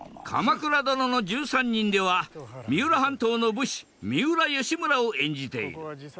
「鎌倉殿の１３人」では三浦半島の武士三浦義村を演じている。